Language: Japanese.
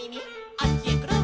「あっちへくるん」